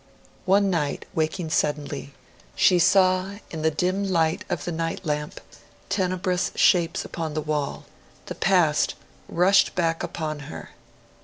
One night, waking suddenly, she saw, in the dim light of the night lamp, tenebrous shapes upon the wall. The past rushed back upon her.